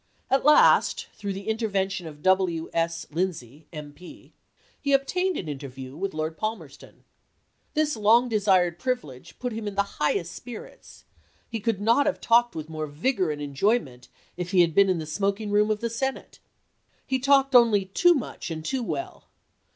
At last, through the intervention of W. S. Lind say, M. P., he obtained an interview with Lord Palmerston. This long desired pri\dlege put him in the highest spirits ; he could not have talked with more vigor and enjoyment if he had been in the FOEEIGN EELATIONS IN 1863 265 smoking room of the Senate. He talked only too chap. x. much and too well.